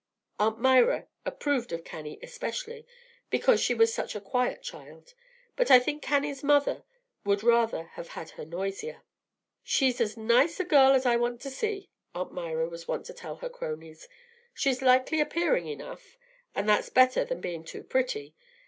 Aunt Myra approved of Cannie especially, because she was "such a quiet child;" but I think Cannie's mother would rather have had her noisier. "She's a nice girl as I want to see," Aunt Myra was wont to tell her cronies. "She's likely appearing enough, and that's better than being too pretty.